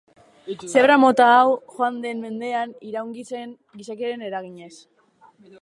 Zebra mota hau joan den mendean iraungi zen gizakiaren eraginez.